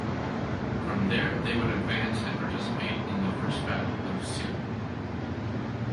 From there they would advance and participate in the First Battle of Seoul.